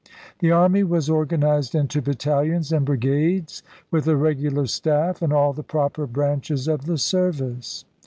The army was organized into battalions and brigades, with a regular staff and all the proper branches of the service.